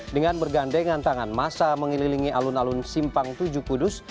dengan bergandengan tangan masa mengelilingi alun alun simpang tujuh kudus